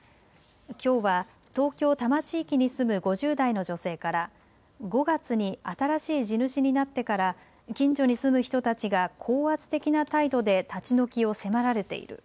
きょうは東京多摩地域に住む５０代の女性から５月に新しい地主になってから近所に住む人たちが高圧的な態度で立ち退きを迫られている。